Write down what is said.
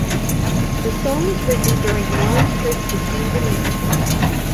The song was written during Beyond's trip to Tanzania.